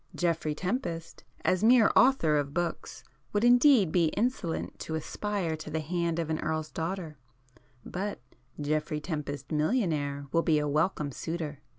Geoffrey Tempest, as mere author of books would indeed be insolent to aspire to the hand of an earl's daughter, but Geoffrey [p 93] Tempest, millionaire, will be a welcome suitor.